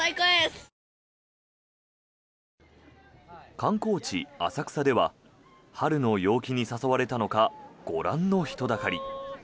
観光地・浅草では春の陽気に誘われたのかご覧の人だかり。